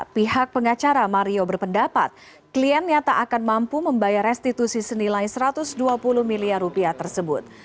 pihak pengacara mario berpendapat klien nyata akan mampu membayar restitusi senilai satu ratus dua puluh miliar rupiah tersebut